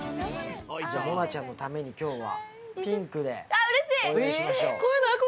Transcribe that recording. もなちゃんのために今日はピンクで。